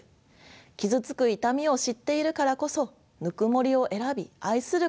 傷つく痛みを知っているからこそぬくもりを選び愛することができる。